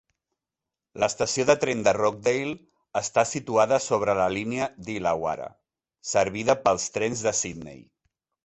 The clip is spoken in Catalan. L'estació de tren de Rockdale està situada sobre la línia d'Illawarra, servida pels Trens de Sidney.